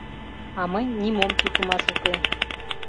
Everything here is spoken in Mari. А мый нимом тӱкымаш уке.